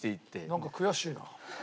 なんか悔しいな。